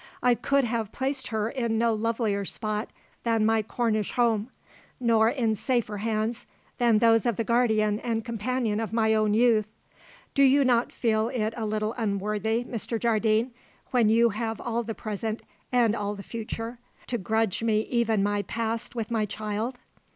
I could have placed her in no lovelier spot than my Cornish home, nor in safer hands than those of the guardian and companion of my own youth. Do you not feel it a little unworthy, Mr. Jardine, when you have all the present and all the future, to grudge me even my past with my child?"